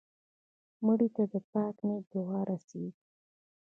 مړه ته د پاک نیت دعا رسېږي